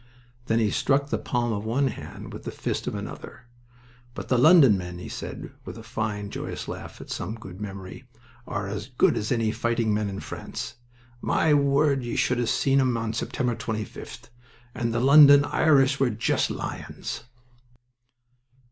Then he struck the palm of one hand with the fist of another. "But the London men," he said, with a fine, joyous laugh at some good memory, "are as good as any fighting men in France. My word, ye should have seen 'em on September 25th. And the London Irish were just lions!"